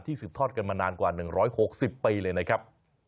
สืบทอดกันมานานกว่า๑๖๐ปีเลยนะครับ